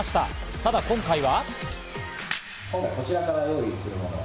ただ今回は。